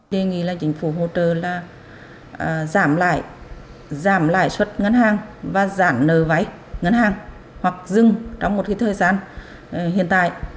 đề nghị là chính phủ hỗ trợ là giảm lại suất ngân hàng và giảm nở váy ngân hàng hoặc dừng trong một thời gian hiện tại